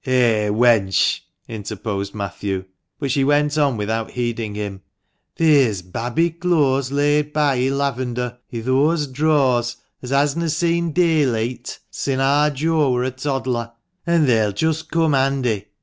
"Eh, wench!" interposed Matthew, but she went on without heeding him. " There's babby clooas laid by i' lavender i' thoase drawers as hasna seen dayleet sin ar Joe wur a toddler, an' they'll just come handy.